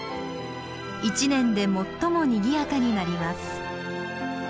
１年で最もにぎやかになります。